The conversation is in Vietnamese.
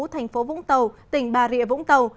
thành phố vũng tàu tỉnh bà rịa vũng tàu